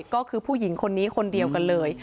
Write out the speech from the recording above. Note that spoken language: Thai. ก็คือผู้หญิงคนนี้คนเดียวกันเลย